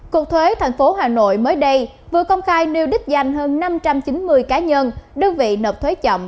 cục thuế tp hà nội mới đây vừa công khai nêu đích danh hơn năm trăm chín mươi cá nhân đơn vị nợ thuế chậm